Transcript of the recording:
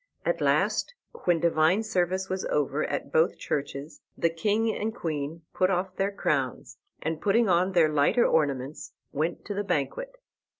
At last, when divine service was over at both churches, the king and queen put off their crowns, and, putting on their lighter ornaments, went to the banquet.